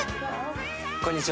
こんにちは。